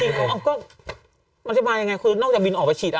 เขาก็มันจะมายังไงคือนอกจากบินออกไปฉีดอ่ะ